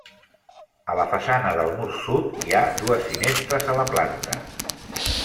A la façana del mur sud hi ha dues finestres a la planta.